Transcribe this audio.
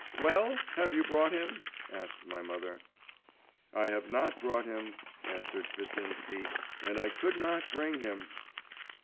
'Well? have you brought him?' asked my mother. 'I have not brought him,' answered Kvitsinsky 'and I could not bring him.